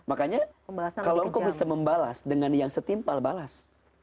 makanya kalau engkau bisa membalas dengan yang setimpal balas